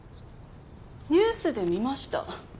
ニュースで見ました。